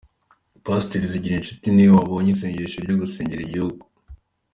Pastor Zigirinshuti ni we wayoboye isengesho ryo gusengera igihugu.